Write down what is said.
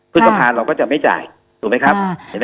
ผู้ต้องการเราก็จะไม่จ่ายถูกไหมครับ